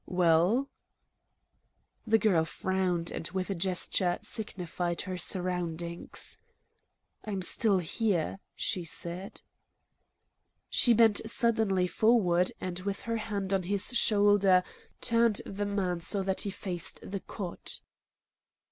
"Well?" The girl frowned, and with a gesture signified her surroundings. "I'm still here," she said. She bent suddenly forward and, with her hand on his shoulder, turned the man so that he faced the cot.